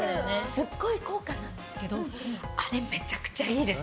すごい効果なんですけどあれ、めちゃくちゃいいです。